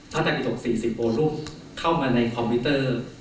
พัฒนาปี๖๔๐โปรลูมเข้ามาในคอมพิวเตอร์